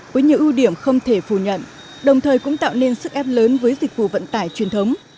với nhiều ưu điểm không thể phủ nhận đồng thời cũng tạo nên sức ép lớn với dịch vụ vận tải truyền thống